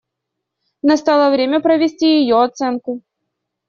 Настало время провести ее оценку.